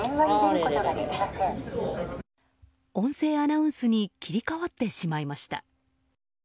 音声アナウンスに切り替わってしまいました。